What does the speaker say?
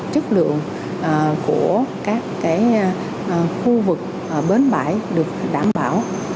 chất lượng của các khu vực bến bãi được đảm bảo